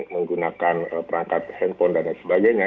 menggunakan perangkat handphone dan lain sebagainya